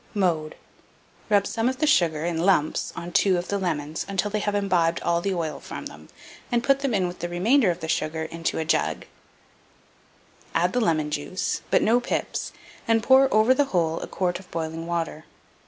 Mode. Rub some of the sugar, in lumps, on 2 of the lemons until they have imbibed all the oil from them, and put it with the remainder of the sugar into a jug; add the lemon juice (but no pips), and pour over the whole a quart of boiling water.